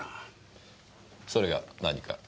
それが何か？